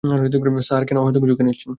Sir, কেন অহেতুক ঝুঁকি নিচ্ছেন?